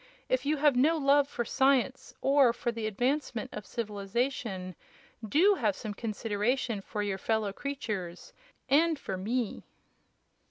If you have no love for science or for the advancement of civilization, DO have some consideration for your fellow creatures, and for me!"